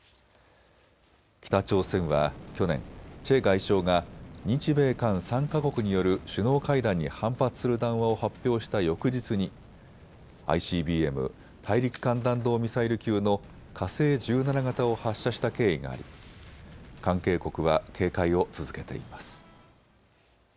北朝鮮は去年、チェ外相が日米韓３か国による首脳会談に反発する談話を発表した翌日にＩＣＢＭ・大陸間弾道ミサイル級の火星１７型を発射した経緯があり関係国は警戒を続けています。